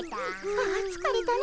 ああつかれたね。